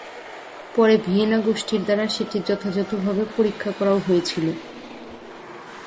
পরে ভিয়েনা গোষ্ঠীর দ্বারা সেটি যথাযথভাবে পরীক্ষা করাও হয়েছিল।